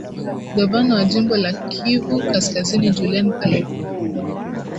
gavana wa jimbo la kivu kaskazini julian paluku